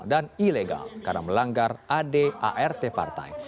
dan ilegal karena melanggar adart partai